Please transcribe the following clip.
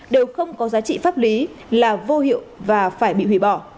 đều không có giá trị pháp lý là vô hiệu và phải bị hủy bỏ